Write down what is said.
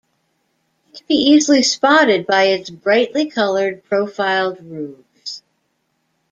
It can be easily spotted by its brightly coloured profiled roofs.